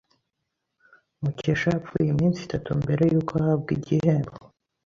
Mukesha yapfuye iminsi itatu mbere yuko ahabwa igihembo.